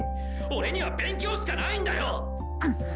俺には勉強しかないんだよ！